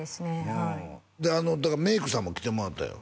はいでメイクさんも来てもらったよ